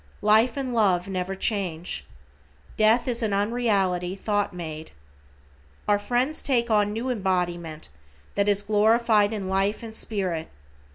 Life and love never change. Death is an unreality thought made. Our friends take on a new embodiment that is glorified in life and spirit.